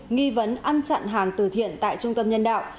nghi vấn ăn chặn hàng từ thiện tại trung tâm nhân đạo